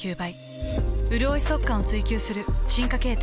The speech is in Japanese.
うるおい速乾を追求する進化形態。